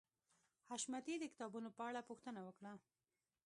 حشمتي د کتابونو په اړه پوښتنه وکړه